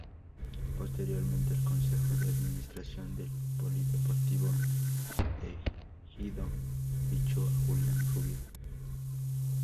Posteriormente, el consejo de administración del Polideportivo Ejido fichó a Julián Rubio.